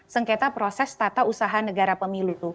sengketa proses tata usaha negara pemilu